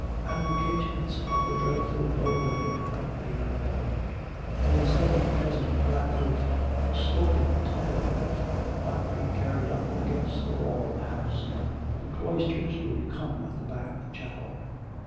And the casements of the dreadful bow window might be removed; and instead of the present flat roof a sloping tiled roof might be carried up against the wall of the house. The cloisters would come at the back of the chapel.'